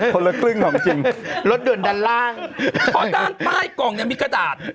คนละครึ่งของจริงรถด่วนดันล่างขอด้านป้ายกล่องเนี้ยมีกระดาษ